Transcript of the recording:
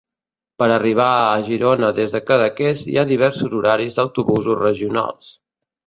Per arribar a Girona des de Cadaqués, hi ha diversos horaris d'autobusos regionals.